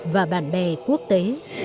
và bạn bè quốc tế